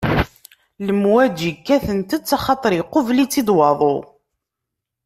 Lemwaǧi kkatent-tt axaṭer iqubel-itt-id waḍu.